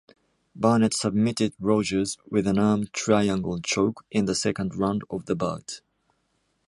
Barnett submitted Rogers with an arm-triangle choke in the second round of the bout.